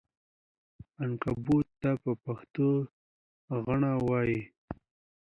عنکبوت ته په پښتو غڼکه وایې!